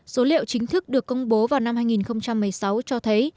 số liệu chính thức được công bố vào năm hai nghìn một mươi sáu cho thấy